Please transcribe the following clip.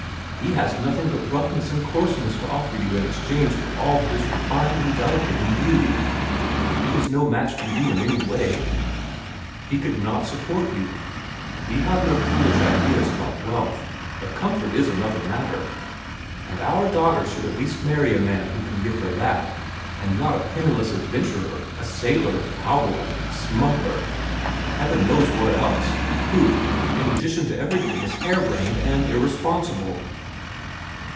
He has nothing but roughness and coarseness to offer you in exchange for all that is refined and delicate in you. He is no match for you in any way. He could not support you. We have no foolish ideas about wealth, but comfort is another matter, and our daughter should at least marry a man who can give her that—and not a penniless adventurer, a sailor, a cowboy, a smuggler, and Heaven knows what else, who, in addition to everything, is hare brained and irresponsible."